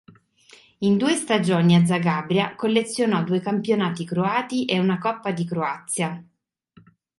In due stagioni a Zagabria collezionò due campionati croati e una Coppa di Croazia.